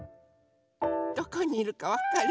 どこにいるかわかる？